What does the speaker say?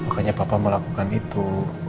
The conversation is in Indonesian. makanya papa melakukan itu